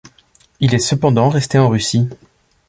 Il est cependant resté en Russie.